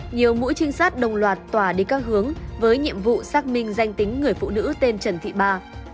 nhiều mũi trinh sát đồng loạt tòa đi các hướng với nhiệm vụ xác minh danh tính người phụ nữ tên trần thị ba